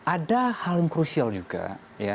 ada hal yang krusial juga